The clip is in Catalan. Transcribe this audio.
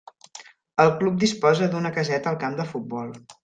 El club disposa d'una caseta al camp de futbol.